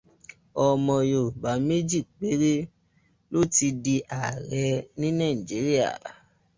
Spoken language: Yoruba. Ọmọ Yorùbá mèjì péré ló tíì di ààrẹ ní Naijiria